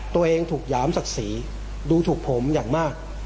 ตัวเองถูกหยามศักดิ์ศรีดูถูกผมอย่างมาก